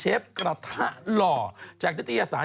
จากกระแสของละครกรุเปสันนิวาสนะฮะ